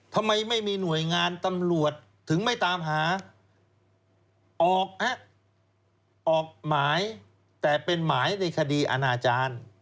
ทำไมไม่มีหน่วยงานตำรวจถึงไม่ตามหาออกหมายแต่เป็นหมายในคดีอาณาจารย์